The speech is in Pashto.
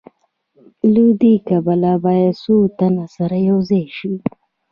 له دې کبله باید څو تنه سره یوځای شي